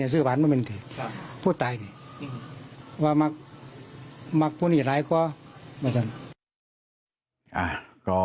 สื่อผ่านไม่เป็นที่พูดตายนี่ว่ามักพูดเนียนหรืออะไรก็ไม่ใช่